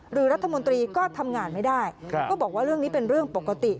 หรือรัฐมนตรีก็ทำงานไม่ได้ก็บอกว่าเรื่องนี้เป็นเรื่องปกติ